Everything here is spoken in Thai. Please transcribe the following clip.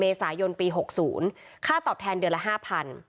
เมษายนปี๖๐ค่าตอบแทนเดือนละ๕๐๐บาท